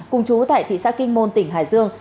cùng chú tại thị xã kinh môn tỉnh hải dương